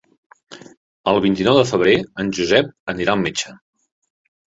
El vint-i-nou de febrer en Josep anirà al metge.